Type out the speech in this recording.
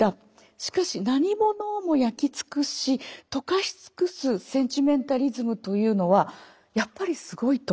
しかし何ものをも焼き尽し溶かし尽すセンチメンタリズムというのはやっぱりすごいと。